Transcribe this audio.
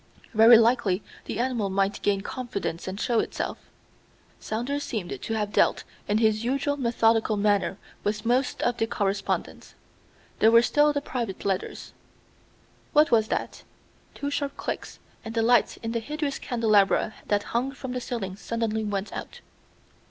Very likely the animal might gain confidence and show itself. Saunders seemed to have dealt in his usual methodical manner with most of the correspondence. There were still the private letters. What was that? Two sharp clicks and the lights in the hideous candelabra that hung from the ceiling suddenly went out.